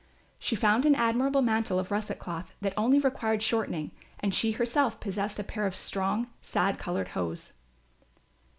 She found an admirable mantle of russet cloth that only required shortening and she herself possessed a pair of strong sad coloured hose.